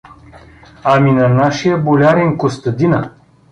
— Ами на нашия болярин Костадина.